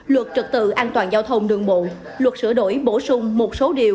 luật trật tự an toàn giao thông đường bộ luật sửa đổi bổ sung một số điều